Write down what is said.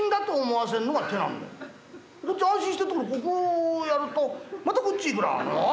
安心してるところをこうやるとまたこっち行くなあ。